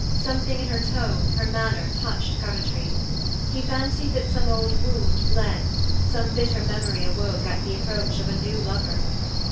Something in her tone, her manner, touched Coventry; he fancied that some old wound bled, some bitter memory awoke at the approach of a new lover.